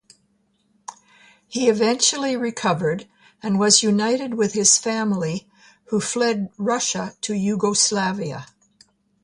He eventually recovered and was reunited with his family, who fled Russia to Yugoslavia.